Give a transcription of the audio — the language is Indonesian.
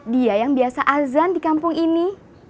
dia yang biasa azan di kampung ini